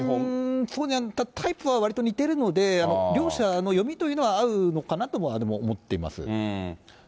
タイプはわりと似てるので、両者の読みというのは合うのかなとは思っています。